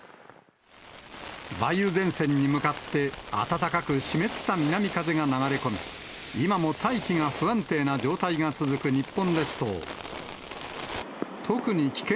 梅雨前線に向かって、暖かく湿った南風が流れ込み、今も大気が不安定な状態が続く日本列島。